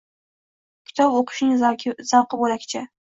Kitob o‘qishning zavqi bo‘lakcha.